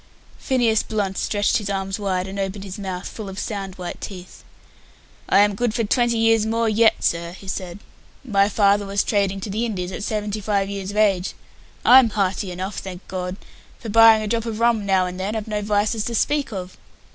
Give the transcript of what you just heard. Phineas Blunt stretched his arms wide, and opened his mouth, full of sound white teeth. "I am good for twenty years more yet, sir," he said. "My father was trading to the Indies at seventy five years of age. I'm hearty enough, thank God; for, barring a drop of rum now and then, I've no vices to speak of.